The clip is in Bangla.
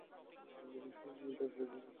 পূর্বের অংশে আমি দুটি প্রশ্ন করেছি।